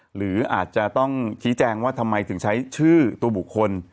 หรืออาจจะต้องชี้แจงว่าทำไมถึงใช้ชื่อตัวบุคคล